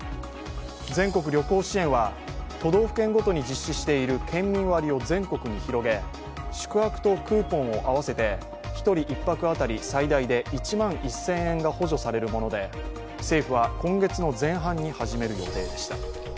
全国旅行支援は、都道府県ごとに実施している県民割を全国に広げ宿泊とクーポンを合わせて１人１泊当たり最大で１万１０００円が補助されるもので、政府は今月の前半に始める予定でした。